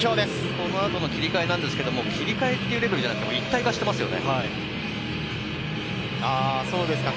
この後の切り替えは、切り替えというレベルじゃなくて一体化していますよね。